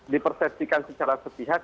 dipersepsikan secara setihat